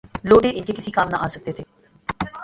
لوٹے ان کے کسی کام نہ آ سکتے تھے۔